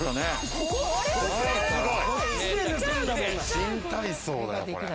新体操だよこれ。